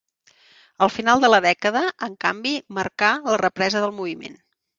El final de la dècada, en canvi, marcà la represa del Moviment.